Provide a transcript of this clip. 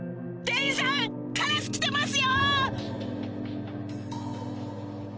店員さんカラス来てますよ！